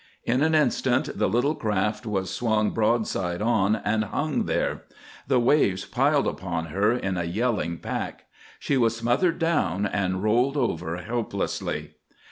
In an instant the little craft was swung broadside on, and hung there. The waves piled upon her in a yelling pack. She was smothered down, and rolled over helplessly.